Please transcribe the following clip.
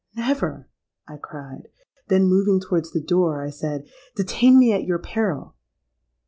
'—'Never!' I cried: then moving towards the door, I said, 'Detain me at your peril!'